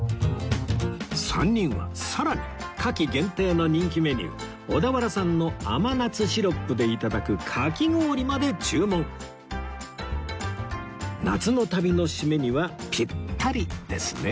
３人はさらに夏季限定の人気メニュー小田原産の甘夏シロップで頂くかき氷まで注文夏の旅の締めにはピッタリですね